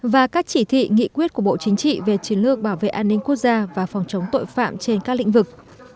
và các chỉ thị nghị quyết của bộ chính trị về chiến lược bảo vệ an ninh quốc gia và phòng chống tội phạm trên các lĩnh vực